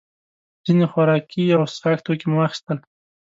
ځینې خوراکي او څښاک توکي مو واخیستل.